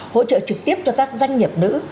hỗ trợ trực tiếp cho các doanh nghiệp nữ